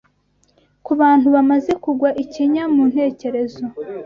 ku bantu bamaze kugwa ikinya mu ntekerezo